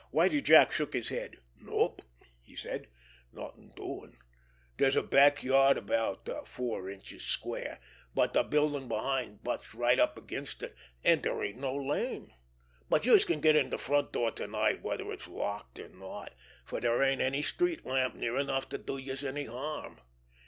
Whitie Jack shook his head. "Nope!" he said. "Nothin' doin'! Dere's a back yard about four inches square, but the buildin' behind butts right up against it, an' dere ain't no lane. But youse can get in de front door to night whether it's locked or not, for dere ain't any street lamp near enough to do youse any harm."